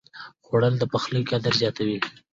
خوړل د پخلي قدر زیاتوي